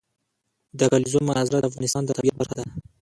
د کلیزو منظره د افغانستان د طبیعت برخه ده.